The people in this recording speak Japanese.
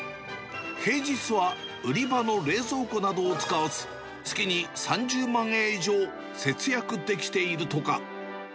平日は売り場の冷蔵庫などを使わず、月に３０万円以上節約できているとか。